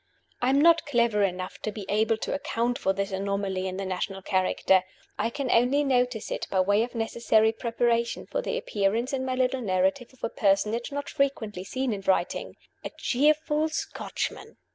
I am not clever enough to be able to account for this anomaly in the national character; I can only notice it by way of necessary preparation for the appearance in my little narrative of a personage not frequently seen in writing a cheerful Scotchman.